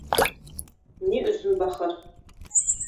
— Ни өсөн бахыр?